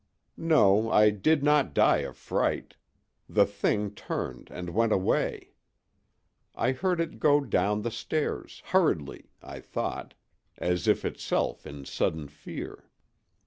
No, I did not die of fright: the Thing turned and went away. I heard it go down the stairs, hurriedly, I thought, as if itself in sudden fear.